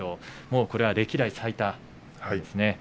もうこれは歴代最多ですね。